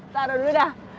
taruh dulu dah